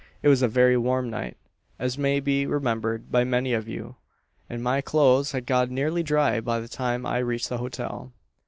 It was a very warm night as may be remembered by many of you and my clothes had got nearly dry by the time I reached the hotel.